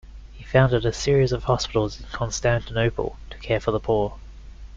He founded a series of hospitals in Constantinople to care for the poor.